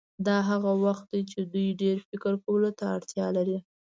دا هغه وخت وي چې دوی ډېر فکر کولو ته اړتیا لري.